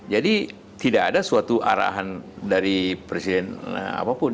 jadi tidak ada suatu arahan dari presiden apapun